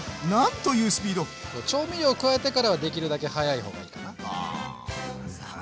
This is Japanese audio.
調味料加えてからはできるだけ早い方がいいかな。はおいしそうじゃん！